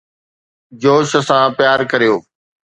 جوش سان پيار ڪريو